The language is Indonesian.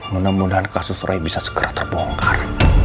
mudah mudahan kasus roy bisa segera terbongkar